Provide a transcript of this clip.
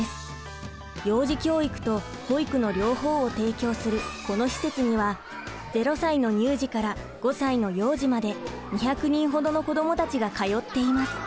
幼児教育と保育の両方を提供するこの施設には０歳の乳児から５歳の幼児まで２００人ほどの子どもたちが通っています。